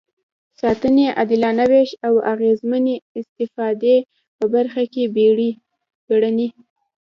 ساتنې، عادلانه وېش او اغېزمنې استفادې په برخه کې بیړني.